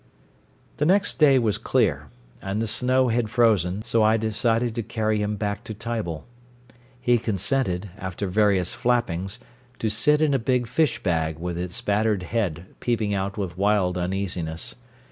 The next day was clear, and the snow had frozen, so I decided to carry him back to Tible. He consented, after various flappings, to sit in a big fish bag with his battered head peeping out with wild uneasiness.